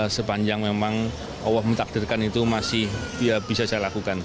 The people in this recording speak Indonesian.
sepanjang memang allah mentakdirkan itu masih bisa saya lakukan